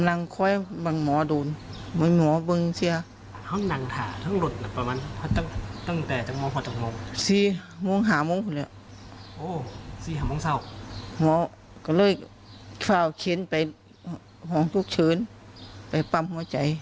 พองคลุกทื้นไปปั๊มหัวใจอืม